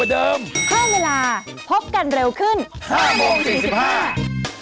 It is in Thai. โปรดติดตามตอนต่อไป